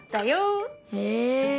へえ。